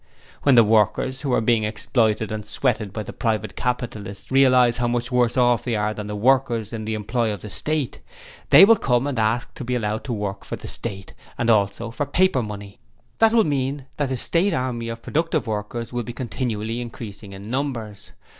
'When the workers who are being exploited and sweated by the private capitalists realize how much worse off they are than the workers in the employ of the State, they will come and ask to be allowed to work for the State, and also, for paper money. That will mean that the State Army of Productive Workers will be continually increasing in numbers.